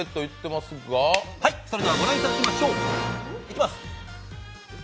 それではご覧いただきましょう。いきます。